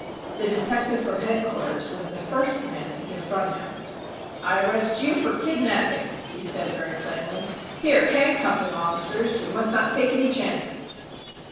The detective from headquarters was the first man to confront him. "I arrest you for kidnapping," he said very plainly. "Here, handcuff him, officers. We must not take any chances!"